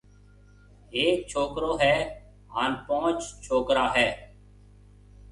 ھيَََڪ ڇوڪرو ھيََََ ھان پونچ ڇوڪرَو ھيََََ